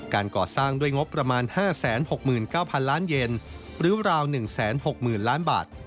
การก่อสร้างด้วยงบประมาณ๕๖๙๐๐ล้านเย็นหรือราว๑๖๐๐๐ล้านบาท